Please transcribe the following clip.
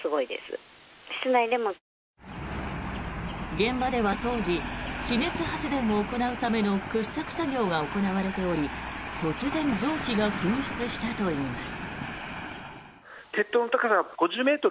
現場では当時地熱発電を行うための掘削作業が行われており突然、蒸気が噴出したといいます。